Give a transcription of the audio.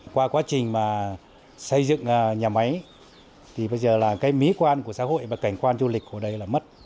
qua quá trình mà xây dựng nhà máy thì bây giờ là cái mỹ quan của xã hội và cảnh quan du lịch của đây là mất